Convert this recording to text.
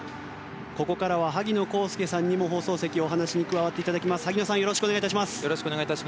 ここからは、萩野公介さんにも放送席、お話に加わっていただきます。